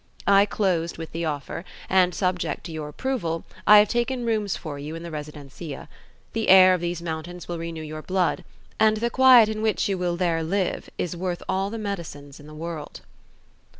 I closed with the offer; and, subject to your approval, I have taken rooms for you in the residencia. The air of these mountains will renew your blood; and the quiet in which you will there live is worth all the medicines in the world."